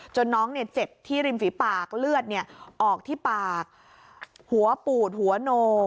จนน้องเนี้ยเจ็บที่ริมฝีปากเลือดเนี้ยออกที่ปากหัวปูดหัวโน